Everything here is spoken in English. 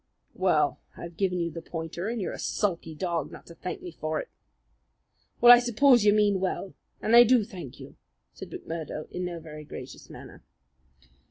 "Well, I've given you the pointer, and you're a sulky dog not to thank me for it." "Well, I suppose you mean well, and I do thank you," said McMurdo in no very gracious manner.